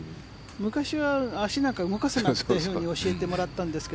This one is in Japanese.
昔は足なんか動かさないと教えてもらったんですが。